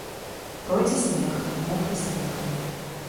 Пройдзе снег, мокры снег.